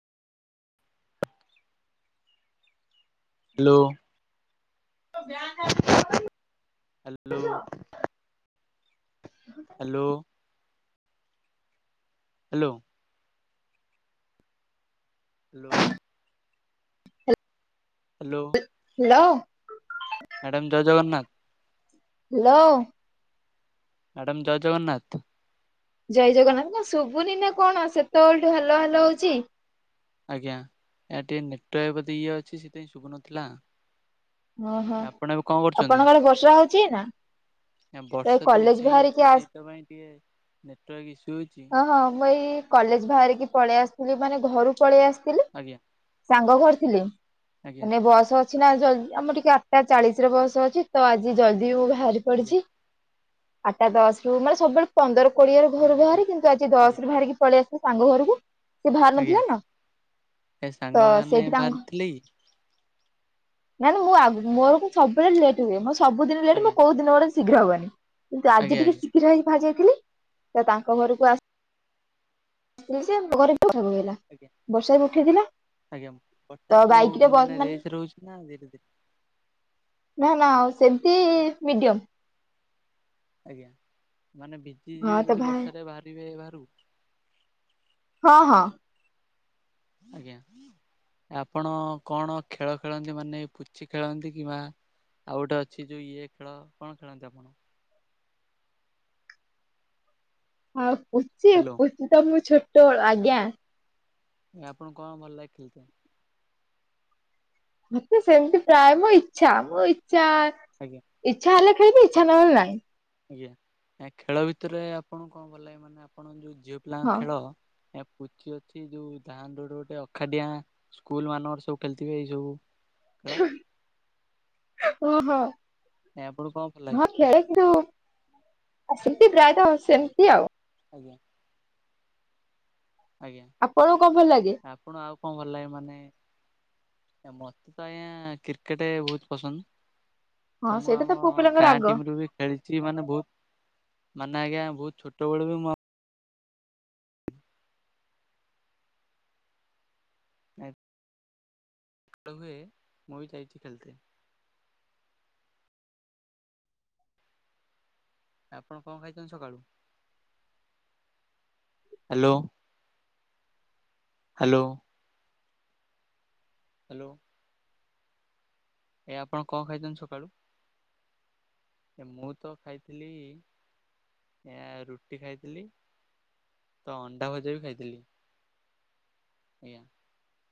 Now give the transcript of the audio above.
Hello. [inaudible] Hello. Hello. Hello. Hello hello. Madam ଜୟ Jagannath. Hello. Madam ଜୟ ଜଗନ୍ନାଥ। ଜୟ ଜଗନ୍ନାଥ ନା ଶୁଭୁନି ନା କଣ ସେତବେଳଠୁ ହାଲୋ ହାଲୋ ହଉଛି। ଆଜ୍ଞା ଏଠି ନେଟୱାର୍କ ବୋଧେ ଇଏ ଅଛି ସେଥିପାଇଁ ଶୁଭୁନଥିଲା। ଅ ହୋ ଆପଣ ଏବେ କଣ ଆପଣଙ୍କର ବର୍ଷା ହଉଛି ଏଇନା? ନା ବର୍ଷା ତ ଉଠେଇ ଅଛି ସେଇଥପାଇଁ ଟିକେ ନେଟୱାର୍କ ଇସ୍ୟୁ ହଉଛି? ହଁ ହଁ ମୁଁ ଏଇ କଲେଜ ବାହାରିକି ପଳେଇ ଆସିଥିଲି ମାନେ ଘରୁ ପଳେଇ ଆସିଥିଲି ଆଜ୍ଞା ସାଙ୍ଗ ଘରେଥିଲି। ଆଜ୍ଞା ମାନେ ବସ୍ ଅଛି ନା ଜଲଦି ଆମର ଟିକେ ଆଠଟା ଚାଳିଶରେ ବସ୍ ଅଛି ତ ଆଜି ଜଲଦି ଉ ଭାରି ଆଜ୍ଞା ପଡିଛି ଆଠଟା ଦଶ ରୁ ମାନେ ସବୁବେଳେ ପନ୍ଦର କୋଡିଏ ରୁ ଆଜ୍ଞା ଘରୁ ଆଜ୍ଞା ବାହାରେ କିନ୍ତୁ ଆଜି ଆଜ୍ଞା ଦଶରୁ ବାହାରିକି ପଳେଇ ଆସିଲି ସାଙ୍ଗ ଘରକୁ। ସେ ବାହାରି ଆଜ୍ଞା ନଥିଲା ନା ଏ ତ ସାଙ୍ଗମାନେ ସେଇଠି ବାହାରି ଥିଲେ କି? ନାଇଁ ନାଇଁ ମୁଁ ଆଗୁ ମୋର ସବୁବେଳେ ଲେଟ୍ ହୁଏ ମୋ ସବୁଦିନେ ଲେଟ୍ ମୋ ଆଜ୍ଞା କୋଉ ଦିନ ଗୋଟେ ଶୀଘ୍ର ହବନି। କିନ୍ତୁ ଆଜି ଆଜ୍ଞା ଟିକେ ଆଜ୍ଞା ଶୀଘ୍ର ହେଇ ବାହାରି ଯାଇଥିଲି ସେ ତାଙ୍କ ଘରକୁ ଆସି [unintelligible] ବର୍ଷା ଆଜ୍ଞା ବି ଉଠେଇଥିଲା। ଆଜ୍ଞା ତ ବଟାକୁ ବାଇକ ରେ ବ ମାନେ ରେସ୍ ରହୁଛି ନା ଧୀରେ ଧୀରେ? ନା ନା ଆଉ ସେମିତି ମିଡିୟମ। ଆଜ୍ଞା, ମାନେ ଭିଜି ହଁ ଯିବେ ତ ଯଦି ଭାଇ ବର୍ଷାରେ ବାହାରିବେ ବାହାରୁକୁ? ହଁ ହଁ। ଆଜ୍ଞା। ଆପଣ କଣ ଖେଳ ଖେଳନ୍ତି ମାନେ ପୁଚି ଖେଳନ୍ତି କିମ୍ବା ଆଉ ଗୋଟେ ଅଛି ଯଉ ଇଏ ଖେଳ, କଣ ଖେଳନ୍ତି ଆପଣ? ହଁ ପୁଚି ହ୍ୟାଲୋ ପୁଚି ତ ମୁଁ ଛୋଟବେଳୁ ଆଜ୍ଞା ଏ ଆପଣ କଣ ଭଲ ଲାଗେ ଖେଳଥା? ମତେ ସେମିତି ପ୍ରାୟ ମୋ ଇଛା, ମୋ ଇଛା, ଆଜ୍ଞା ଇଛା ହେଲେ ଖାଇବି ଇଛା ନ ହେଲେ ନାଇଁ। ଆଜ୍ଞା, ଏଁ ଖେଳ ଭିତରେ ଆପଣଙ୍କୁ କଣ ଭଲ ଲାଗେ ମାନେ ଆପଣ ଯୋଉ ଝିଅ ପିଲାଙ୍କ ହଁ ଖେଳ? ଏ ପୁଚି ଅଛି ଯୋଉ ଧାନ୍ଧୋଡ ଗୋଟେ ଅଖାଡିଆଁ ସ୍କୁଲ ମାନଙ୍କର ସବୁ ଖେଳିଥିବେ, ଏଇ ସବୁ ଖେଳ ଓହୋ ଏ ଆପଣଙ୍କୁ କଣ ଭଲ ହଁ ଲାଗେ? [unintelligible] ଆଉ ସେମିତି ପ୍ରାୟତଃ ସେମିତି ଆଉ। [inaudible] ଆଜ୍ଞା ଆପଣଙ୍କୁ କଣ ଭଲ ଲାଗେ? ଆପଣ ଆଉ କଣ ଭଲ ଲାଗେ ମାନେ? ଏ ମତେତ ଆଜ୍ଞା କ୍ରିକେଟ ବହୁତ ପସନ୍ଦ। ହଁ ତ ମୁଁ ସେଇଟା ଆମ ପୁଅ ପିଲାଙ୍କର ଗାଁ ରାଗ। ଟିମରୁ ବି ଖେଳିଛି ମାନେ ବହୁତ ମାନେ ଆଜ୍ଞା ବହୁତ ଛୋଟବେଳୁ ବି ମୁଁ [unintelligible] ଲ ହୁଏ ମୁଇ ଯାଇଛି ଖେଳତେ। ଆପଣ କଣ ଖାଇଛନ୍ତି ସକାଳୁ? Hello hello. ହାଲୋ ଏ ଆପଣ କଣ ଖାଇଛନ୍ତି ସକାଳୁ? ଏ ମୁଁ ତ ଖାଇଥିଲି ଏ ରୁଟି ଖାଇଥିଲି, ତ ଅଣ୍ଡା ଭଜା ବି ଖାଇଥିଲି। ଆଜ୍ଞା।